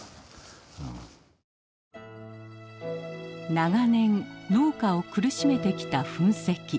長年農家を苦しめてきた噴石。